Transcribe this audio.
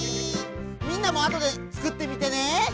みんなもあとでつくってみてね！